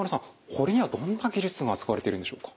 これにはどんな技術が使われてるんでしょうか？